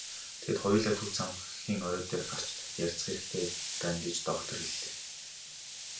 Тэгээд хоёулаа төв цамхгийн орой дээр гарч ярилцах хэрэгтэй байна гэж доктор хэллээ.